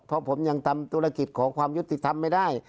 เพราะผมยังทำธุรกิจขอความยุติธรรมไม่ได้